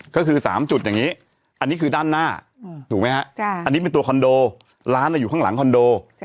ก็คือ๓จุดอย่างนี้อันนี้คือด้านหน้าถูกไหมฮะอันนี้เป็นตัวคอนโดร้านอยู่ข้างหลังคอนโด